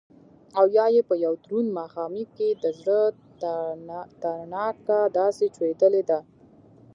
او يا يې په يو دروند ماښامي کښې دزړه تڼاکه داسې چولې ده